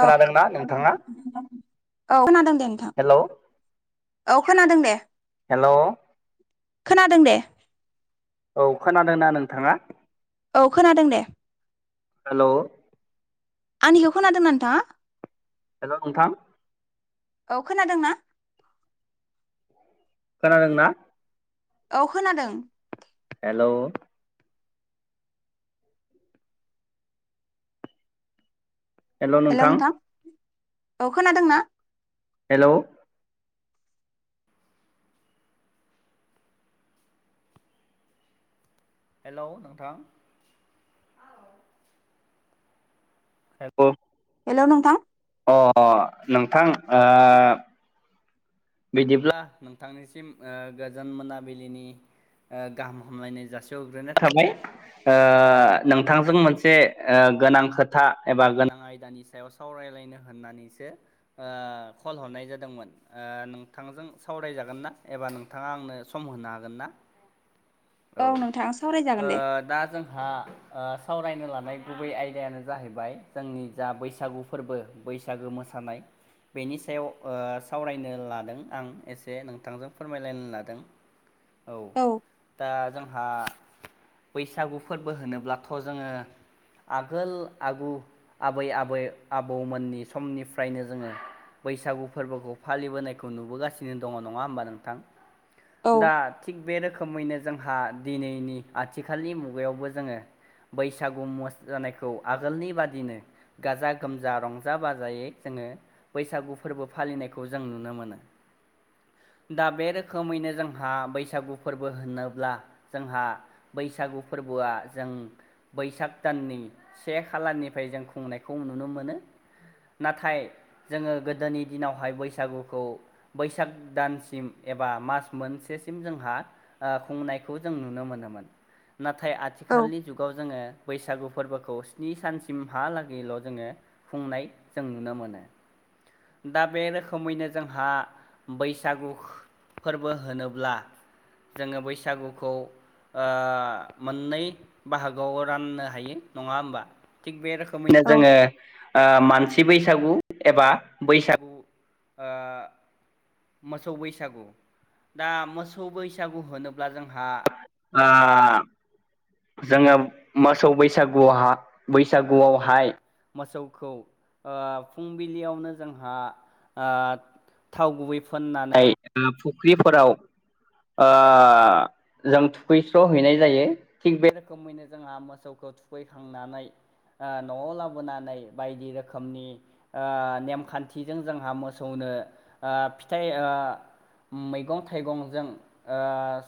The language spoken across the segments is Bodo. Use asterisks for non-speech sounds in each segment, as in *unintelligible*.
औ नोंथाङा औ खोनादों दे नोंथां। हेलौ औ खोनादों दे। हेल'। खोनादों दे। औ खोनादोंना नोंथाङा? औ खोनादों दे। हेल'। आंनिखौ खोनादोंना नोंथाङा? हेल' नोंथां। औ खोनादोंना? खोनादों ना? औ खोनादों। हेल'। हेल' नोंथां औ खोनादोंना? हेल'। हेल' नोंथां। *unintelligible* हेल' नोंथां। अ नोंथां ओ बिदिब्ला नोंथांनिसिम ओ गोजोन मोनाबिलिनि ओ गाहाम हामलायनाय जासिहरग्रोनाय थाबाय। ओ नोंथांजों मोनसे ओ गोनां खोथा एबा गोनां आयदानि सायाव सावरायलायनो होननानैसो ओ कल हरनाय जादोंमोन ओ नों नोंथांजों सावरायजागोन ना एबा नोंथाङा आंनो सम होनो हागोन ना? औ ओ नोंथां सावरायजागोन दे दा जों हा ओ सावरायनो लानाय गुबै आयदायानो जाहैबाय जोंनि जा बैसागु फोरबो बैसागो मोसानाय बेनि सायाव ओ सावरायनो लादों। आं एसे नोंथांजों फोरमायलायनो लादों औ। दा जोंहा बैसागु फोरबो होनोब्लाथ' जोङो आगोल आगु आबै आबै आबौमोननि समनिफ्रायनो जोङो बैसागु फोरबोखौ फालिबोनाय खौ नुबोगासिनो दङ नङा होमबा नोंथां औ दा थिग बे रोखोमैनो जोंहा दिनैनि आथिखालनि मुगायावबो जोङो बैसागु मोस जानायखौ आगोलनि बादिनो गाजा गोमजा रंजा बाजायै जोङो बैसागु फोरबो फालिनायखौ जों नुनो मोनो। दा बे रोखोमैनो जोंहा बैसागु फोरबो होनोब्ला जोंहा बैसागु फोरबोआ जों बैसाग दाननि से खालारनिफ्राय जों खुंनायखौ नुनो मोनो नाथाय जोङो गोदोनि दिनावहाय बैसागुखौ बैसाग दानसिम एबा मास मोनसेसिम जोंहा ओ खुंनायखौ जों नुनो मोनोमोन नाथाय औ आथिखालनि जुगाव जोङो बैसागु फोरबोखौ स्नि सानसिमहालागैल' जोङो खुंनाय जों नुनो मोनो दा बे रोखोमैनो जोंहा बैसागु फोरबो होनोब्ला जोङो बैसागुखौ ओ मोननै बाहागोआव राननो हायो नङा होमबा थिग बे रोखोम समनो औ जोङो ओ मानसि बैसागु एबा बैसागु ओ मोसौ बैसागु दा मोसौ बैसागु होनोब्ला जोंहा ओ जोङो मोसौ बैसागुआव बैसागुआवहाय मोसौखौ ओ फुंबिलियावनो जोंहा ओ थाव गुबै फोननानै ओ फुख्रिफोराव जों खैस्र' हैनाय जायो थिग बे रोखोमैनो जोंहा मोसौखौ थुखैखांनानै ओ न'आव लाबोनानै बायदि रोखोमनि ओ नेमखान्थिजों जोंहा मोसौनो ओ फिथाइ ओ मैगं थाइगंजों ओ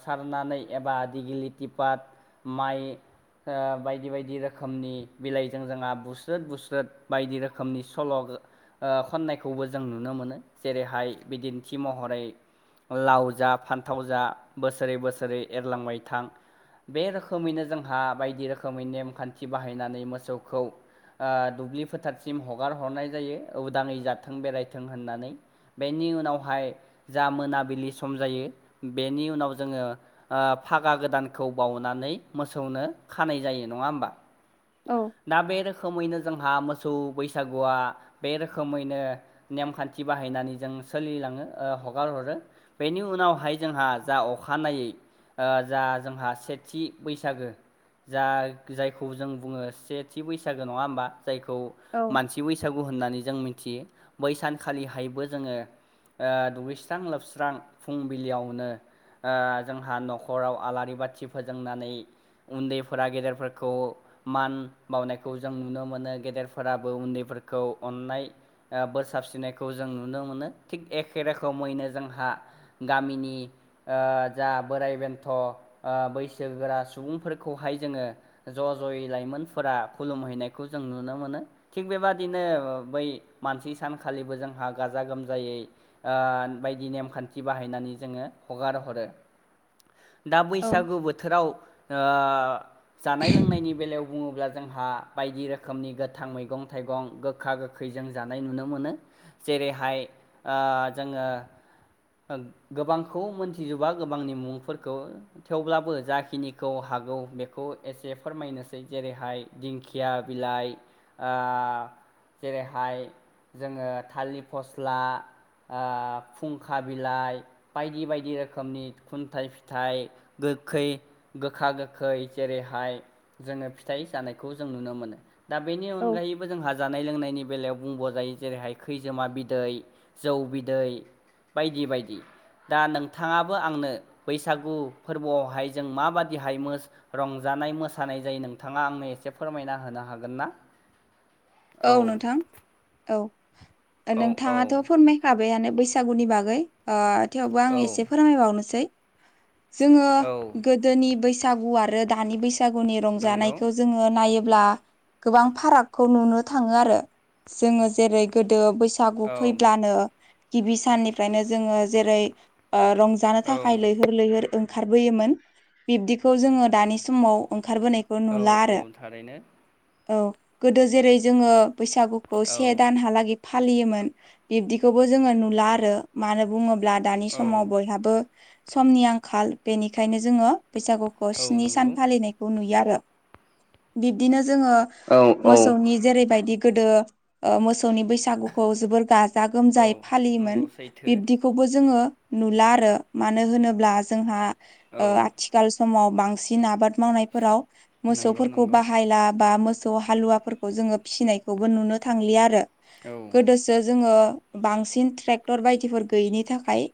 सारनानै एबा दिगिलिटि पाट माइ ओ बायदि बायदि रोखोमनि बिलाइजों जोंहा बुस्रोद बुस्रोद बायदि रोखोमनि सल' ओ खन्नायखौबो जों नुनो मोनो जेरैहाय बिदिन्थि महरै लाव जा फान्थाव जा बोसोरै बोसोरै एरलांबाय थां बे रोखोमैनो जोंहा बायदि रोखोमै नेमखान्थि बाहायनानै मोसौखौ ओ दुब्लि फोथारसिम हगार हरनाय जायो उदाङै जाथों बेरायथों होननानै बेनि उनावहाय जा मोनाबिलि सम जायो बेनि उनाव जोङो। ओ फागा गोदानखौ बावनानै मोसौनो खानाय जायो नङा होमबा। औ। दा बे रोखोमैनो जोंहा मोसौ बैसागुआ बे रोखोमैनो नेमखान्थि बाहायनानै जों सोलिलाङो हगार हरो बेनि उनावहाय जोंहा जा अखानायै ओ जा जोंहा सेथि बैसागो जा जायखौ जों बुङो सेथि बैसागो नङा होमबा जायखौ औ मानसि बैसागु होननानै जों मिथियो बै सानखालिहायबो जोङो ओ दुगैस्रां लोबस्रां फुंबिलियावनो ओ जोंहा न'खराव आलारि बाथि फोजोंनानै उन्दैफोरा गेदेरफोरखौ मान बावनायखौ जों नुनो मोनो गेदेरफोराबो उन्दैफोरखौ अन्नाय बोर साबसिनायखौ जों नुनो मोनो थिग एखे रोखोमैनो जोंहा गामिनि ओ जा बोराइ बेन्थ' ओ बैसोगोरा सुबुंफोरखौहाय जोङो ज' ज'यै लाइमोनफोरा खुलुमहैनायखौ जों नुनो मोनो। थिग बेबादिनो बै मानसि सानखालिबो जोंहा गाजा गोमजायै ओ बायदि नेमखान्थि बाहायनानै जोङो हगार हरो। *inaudible* दा औ बैसागु बोथोराव ओ जानाय लोंनायनि बेलायाव बुङोब्ला जोंहा बायदि रोखोमनि गोथां मैगं थाइगं गोखा गोखै जों जानाय नुनो मोनो। जेरैहाय ओ जोङो ओ गोबांखौ मोनथिजोबा गोबांनि मुंफोरखौ। थेवब्लाबो जाखिनिखौ हागौ बेखौ एसे फोरमायनोसै। जेरैहाय दिंखिया बिलाइ ओ जेरैहाय जोङो थाालिर फस्ला ओ फुंखा बिलाइ बायदि बायदि रोखोमनि खुन्थाइ फिथाइ गोखै गोखा गोखै जेरैहाय जोङो फिथाइ जानायखौ जों नुनो मोनो। दा बेनि औ अनगायैबो जोंहा जानाय लोंनायनि बेलायाव बुंब' जायो। जेरैहाय खैजोमा बिदै, जौ बिदै बायदि बायदि। दा नोंथाङाबो आंनो बैसागु फोरबोआवहाय जों माबाददिहाय मो रंजानाय मोसानाय जायो नोंथाङा आंनो एसे फोरमायना होनो हागोन ना? औ नोंथां औ। औ औ नोंथाङाथ' फोरमाय खाबायानो बैसागुनि बागै। ओ थेवबो आं औ एसे फोरमायबावनोसै जोङो औ गोदोनि बैसागु आरो दानि बैसागुनि नंगौ रंजानायखौ जोङो नायोब्ला गोबां फारागखौ नुनो थाङो आरो जोङो जेरै गोदो बैसागु औ फैब्लानो गिबि साननिफ्रायनो जोङो जेरै रंजानो थाखाय औ लैहोर लैहोर ओंखारबोयोमोन बिब्दिखौ जोङो दानि समाव ओंखारबोनायखौ खौ औ नुला आरो। औ थारैनो औ गोदो जेरै जोङो बैसागु खौ से औ दानहालागै फालियोमोन बिब्दिखौबो जोङो नुला आरो। मानो बुङोब्ला ब्ला दानि समाव औ बयहाबो समनि आंखाल बेनिखायनो जोङो बैसागु औ नि सान नंगौ फालिनायखौ नुयो आरो बिदिनो जोङो औ औ मोसौनि जेरैबायदि गोदो ओ मोसौनि बैसागुखौ जोबोर गा जा गोमजायै औ फालियोमोन। नंगौ सैथो बिब्दि बे खौबो जोङो नुला आरो। मानो होनोब्ला जोंहा औ आथिखाल आथिखाल समाव बांसिन आबाद मावनायफोराव नंगौ मोसौफोरखौ नंगौ बाहायला बा मोसौ *unintelligible* हालुवाफोरखौ जोङो फिसिनायखौबो नुनो थां आरो औ गोदो जोङो बांसिन ट्रेक्टर बायदिफोर गैयैनि थाखाय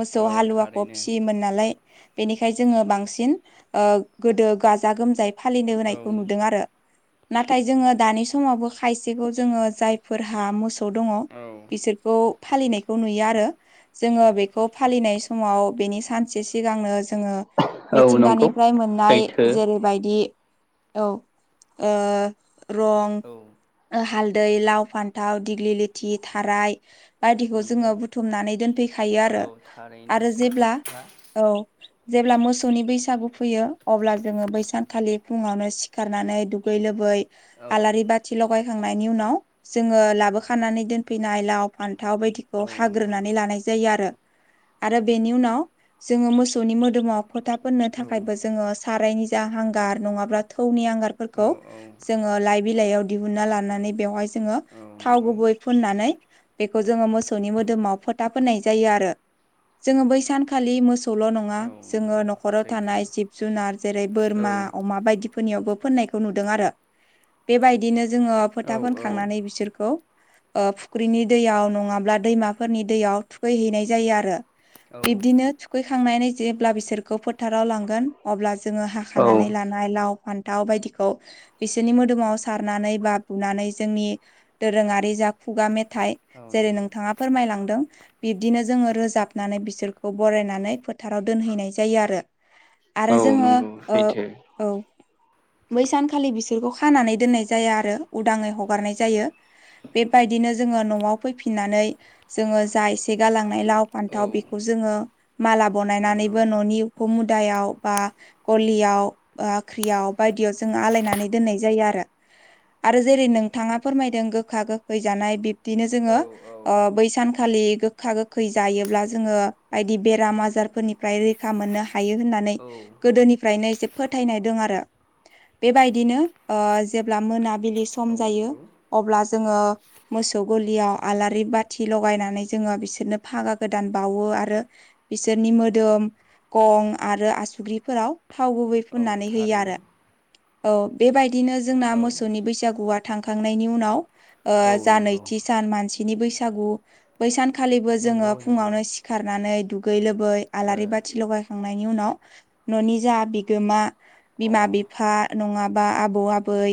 मोसौ औ हालुवाखौ थारैनो फिसियोमोन नालाय बेनिखाय जोङो बांसिन गोदो गाजा-गोमजायै फालिनो होनायखौ औ नुदों आरो। नाथाय जोङो दानि समावबो खायसेखौ जोङो जायफोरहा मोसौ दङ औ बिसोरखौ फालिनायखौ नुयो आरो। जोङो बेखौ फालिनाय समाव बेनि सानसे सिगांनो जोङो औ नंगौ मिथिंगानिफ्राय मोननाय सैथो जेरैबायदि औ ओ रं औ ओ हालदै लाव फान्थाव दिग्लि लथि थाराइ बायदिखौ नंगौ जोङो बुथुमनानै दोनफैखायो आरो औ थारैनो आरो सैथो जेब्ला खोथा औ जेब्ला मोसौनि बैसागु फैयो अब्ला जोङो बैसांखालि फुङावनो सिखारनानै दुगै लोबै औ आलारि बाथि लगायखांनायनि उनाव जोङो लाबोखानानै दोनफैनाय लाव फान्थाव बायदि औ नंगौ हाग्रोनानै लानाय जायो आरो आरो। बेनि उनाव जोङो मोसौनि मोदोमाव फोथा फोननो औ थाखायबो जोङो सारायनि जा हांगार नङाब्ला थौनि हांगारफोरखौ औ औ जोङो लाइ बिलाइयाव दिहुनना लानानै बेवहाय जोङो औ थाव नंगौ गुबै फुननानै बेखौ जोङो मोसौनि मोदोमाव फोथा फोननाय जायो आरो। जोङो बैसानखालि मोसौ खौल' नङा औ जोङो नंगौ न'खराव सैथो थानाय जिब जुनार जेरै बोरमा औ अमा बायदि फोरनियावबो फोननायखौ नुदों आरो। बे बायदिनो जोङो फोथा औ फोनखांनानै बिसोरखौ ओ फुख्रिनि दैयाव नङाब्ला दैमाफोरनि दैयाव थुखैहैनाय जायो आरो। औ बिब्दिनो थुखैखांनानै जेब्ला बिसोरखौ फोथाराव लांगोन। अब्ला जोङो औ हाखानानै लानाय लाव फान्थाव बायदिखौ बिसोरनि मोदोमाव सारनानै बा बुनानै जोंनि दोरोङारि जा खुगा मेथाइ औ जेरै नंगौ नोंथाङा फोरमायलांदों। बिब्दिनो जोङो रोजाबनानै बिसोरखौ बरायनानै फोथाराव दोनहैनाय जायो आरो। आरो औ जोङो नंगौ औ सैथो बै सानखालि बिसोरखौ खानानै दोननाय जाया आरो उदाङै हगारनाय जायो। बेबायदिनो जोङो न'आव फैफिननानै जोङो जा एसे गालांनाय लाव औ फान्थाव बेखौ जोङो माला नंगौ बनायनानैबो न'नि उखउम मुदायाव बा गलियाव बाख्रियाव बायदियाव जोङो आलायनानै दोननाय जायो आरो। आरो जेरै नोंथाङा फोरमायदों गोखा गोखै जानाय बिब्दिनो जोङो औ औ ओ बै सानखालि गोखा गोखै जायोब्ला जोङो बायदि बेराम आजारफोरनिफ्राय रैखा मोननो हायो होननानै औ गोदोनिफ्रायनो एसे फोथायनाय दं आरो। बेबायदिनो ओ जेब्ला मोनाबिलि सम औ जायो नंगौ अब्ला जोङो मोसौ गलियाव आलारि बाथि लगायनानै जोङो बिसोरनो फागा गोदान बावो आरो बिसोरनि मोदोम, गं आरो आसुग्रिफोराव थाव गुबै औ फुननानै होयो आरो। थारैनो औ बेबायदिनो जोंना औ मोसौनि बैसागुआ थांखांनायनि उनाव ओ औ जा नंगौ नैथि सान मानसिनि बैसागु। बै सानखालिबो जोङो नंगौ नंगौ फुङावनो सिखारनानै दुगै लोबै ओ आलारि अ बाथि लगायखांनायनि उनाव न'नि जा बिगोमा बिमा बिफा नङाबा आबौ आबै,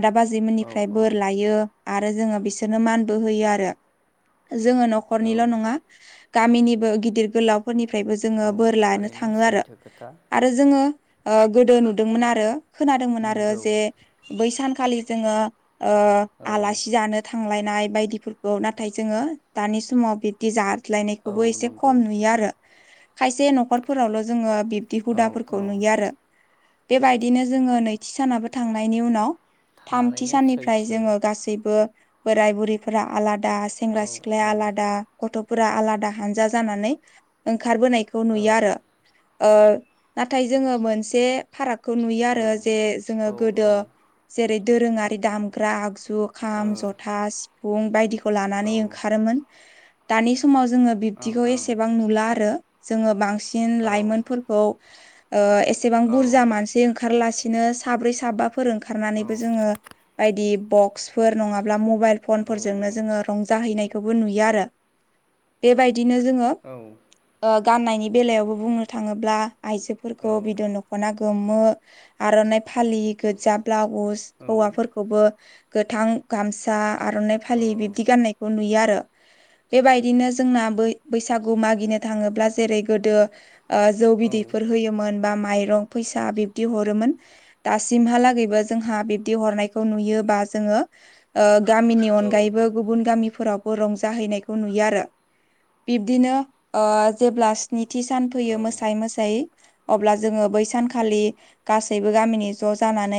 आदा औ बाजैमोननिफ्राय बोर लायो आरो जोङो बिसोरनो मानबो होयो आरो। जोङो औ न'खरनिल' नङा गामिनिबो गिदिर गोलाव फोरनिफ्रायबो जोङो औ बोर लानो थारैनो थाङो आरो। सैथो खोथा आरो जोङो ओ गोदो नुदोंमोन आरो खोनादोंमोन आरो नंगौ जे बै सानखालि जोङो ओ औ आलासि जानो थांलायनाय बायदिफोरखौ, नाथाय जोङो दानि समाव बिब बिदि औ जाद्लायनायखौबो एसे नंगौ खम नुयो आरो खायसे न'खरफोरावल' जोङो दि औ हुदाफोरखौ औ नुयो आरो बेबायदिनो जोङो नैथि सानाबो थांनायनि उनाव थामथि थारैनो साननिफ्राय सैथो जोङो गासैबो बोराय बुरैफोरा आलादा सेंग्रा औ सिख्लाया औ आलादा गथ'फोरा आलादा हानजा जानानै ओंखारबोनायखौ खौ औ नुयो आरो। नाथाय जोङो मोनसे फारागखौ नुयो औ आरो जे जोङो औ ओ औ गोदो जेरै दोरोङारि दामग्रा आगजु खाम, ज'था, सिफुं बायदिखौ लानानै ओंखारोमोन। दानि समाव जोङो ओं बिब्दिखौ ओं एसेबां नुला आरो जोङो बांसिन औ लाइमोनफोरखौ ओ एसेबां औ बुरजा मानसि ओंखारलासिनो साब्रै साबाफोर औ ओंखारनानैबो जोङो बायदि बक्सफोर नङाब्ला मबाइल फन औ फोरजोंनो जोङो रंजाहैनायखौबो नुयो आरो। बेबायदिनो जोङो औ। ओ गाननायनि बेलायावबो बुंनो थाङोब्ला आइजोफोरखौ औ बिदन दखना गोमो, आर'नाइ फालि, गोजा ब्लाउस, हौवाफोरखौबो गोथां गामसा, आर'नाइ फालि बिब्दि गान्नायखौ नुयो आरो। बेबायदिनो जोंना बै-बैसागु मागिनो थाङोब्ला जेरै गोदो ओ जौ बिदैफोर होयोमोन बा माइरं फैसा बिब्दि हरोमोन। दासिमहालागैबो जोंहा बिब्दि हरनायखौ नुयो बा जोङो गामिनि औ अनगायैबो गुबुन गामिफोरावबो रंजाहैनायखौ नुयो आरो। बिब्दिनो जेब्ला स्निथि सान फैयो औ मोसायै मोसायै अब्ला जोङो बै सानखालि गासैबो गामिनि ज' जानानै